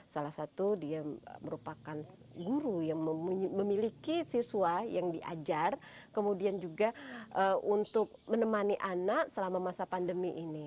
salah satu dia merupakan guru yang memiliki siswa yang diajar kemudian juga untuk menemani anak selama masa pandemi ini